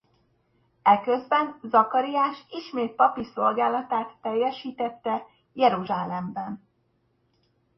Eközben Zakariás ismét papi szolgálatát teljesítette Jeruzsálemben.